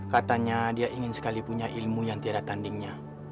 katanya dia ingin sekali punya ilmu yang tidak tandingnya